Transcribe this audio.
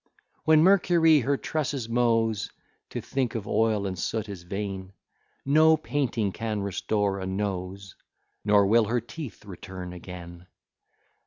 When Mercury her tresses mows, To think of oil and soot is vain: No painting can restore a nose, Nor will her teeth return again.